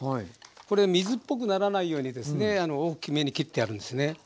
これ水っぽくならないように大きめに切ってあるんですね。